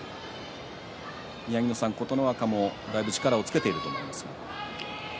宮城野さん、琴ノ若もだいぶ力をつけてきましたね。